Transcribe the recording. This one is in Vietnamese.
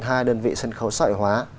hai đơn vị sân khấu xã hội hóa